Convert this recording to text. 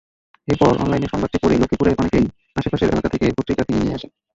এরপর অনলাইনে সংবাদটি পড়ে লক্ষ্মীপুরের অনেকেই আশেপাশের এলাকা থেকে পত্রিকা কিনে নিয়ে আসেন।